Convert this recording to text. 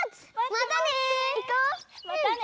またね！